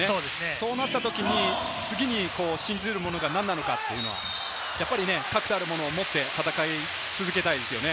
そうなったときに次に信じるものが何なのか、確たるものを持って戦い続けたいですよね。